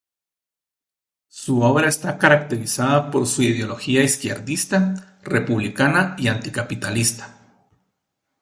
Su obra está caracterizada por su ideología izquierdista, republicana y anticapitalista.